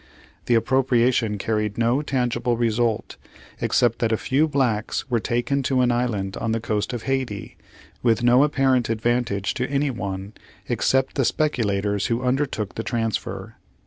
The appropriation carried no tangible result, except that a few blacks were taken to an island on the coast of Hayti, with no apparent advantage to any one, except the specu lators who undertook the transfer.